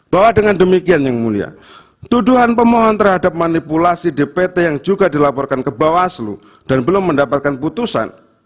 bahwa dengan demikian yang mulia tuduhan pemohon terhadap manipulasi dpt yang juga dilaporkan ke bawaslu dan belum mendapatkan putusan